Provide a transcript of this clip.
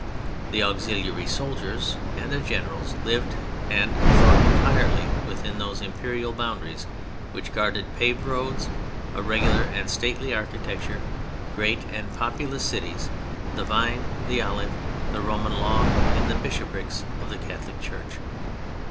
The auxiliary soldiers and their generals lived and thought entirely within those imperial boundaries which guarded paved roads, a regular and stately architecture, great and populous cities, the vine, the olive, the Roman law and the bishoprics of the Catholic Church.